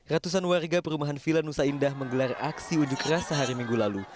ratusan warga perumahan vila nusa indah menggelar aksi ujuk keras sehari minggu lalu